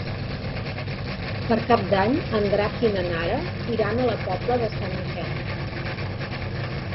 Per Cap d'Any en Drac i na Nara iran a la Pobla de Sant Miquel.